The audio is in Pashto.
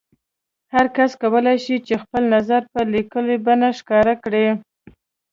هر کس کولای شي چې خپل نظر په لیکلي بڼه ښکاره کړي.